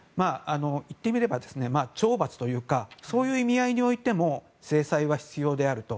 言ってみれば、懲罰というかそういう意味合いにおいても制裁は必要であると。